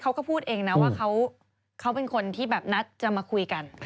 เขาก็พูดเองนะว่าเขาเป็นคนที่แบบนัดจะมาคุยกัน